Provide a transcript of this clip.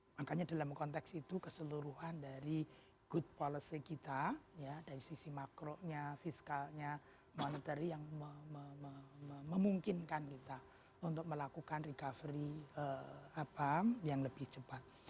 makanya dalam konteks itu keseluruhan dari good policy kita dari sisi makronya fiskalnya monetary yang memungkinkan kita untuk melakukan recovery yang lebih cepat